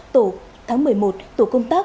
tổ tháng một mươi một tổ công tác